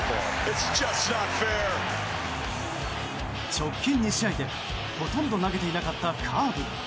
直近２試合で、ほとんど投げていなかったカーブ。